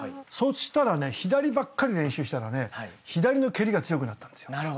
そしたらね左ばっかり練習したら左の蹴りが強くなったんですよ。